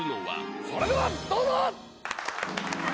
それではどうぞ。